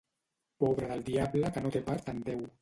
Pobre del diable que no té part en Déu.